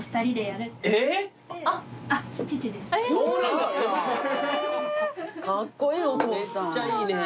めっちゃいいね。